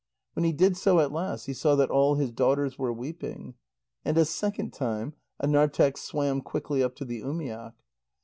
When he did so at last, he saw that all his daughters were weeping. And a second time Anarteq swam quickly up to the umiak.